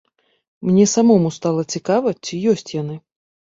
Мне самому стала цікава, ці ёсць яны!